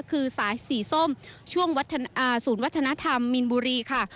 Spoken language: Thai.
คือสายสีส้มช่วงศูนย์วัฒนธรรมมีนบุรีค่ะ